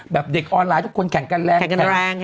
แบบเด็กออนไลน์ทุกคนแข่งกันแรง